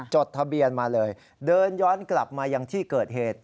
จดทะเบียนมาเลยเดินย้อนกลับมายังที่เกิดเหตุ